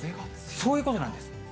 そういうことなんです。